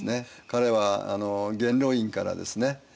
彼は元老院からですね